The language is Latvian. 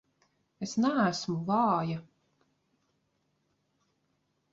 Es neesmu vāja!